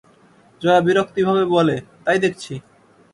জয়া বিরক্তিভাবে বলে, তাই দেখছি।